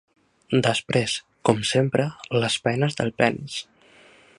Desprès, com sempre, les penes del penis.